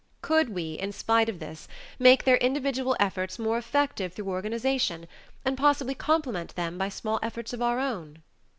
Could we, in spite of this, make their individual efforts more effective through organization and possibly complement them by small efforts of our own?